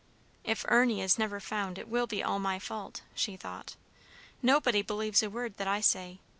"If Ernie is never found, it will all be my fault," she thought. "Nobody believes a word that I say.